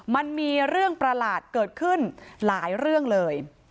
มันมีเรื่องประหลาดเกิดขึ้นหลายเรื่องเลย